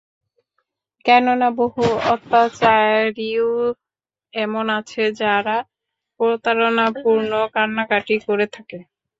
কেননা, বহু অত্যাচারীও এমন আছে যারা প্রতারণাপূর্ণ কান্নাকাটি করে থাকে।